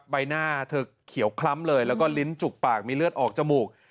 ใบหน้าเธอเขียวคล้ำเลยแล้วก็ลิ้นจุกปากมีเลือดออกจมูก